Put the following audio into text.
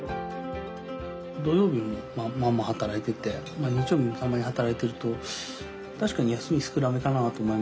土曜日も働いてて日曜日もたまに働いてると確かに休み少なめかなと思いますけどね。